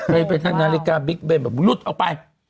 ไปทางนาฬิกาบิ๊กเบนแบบหลุดออกไป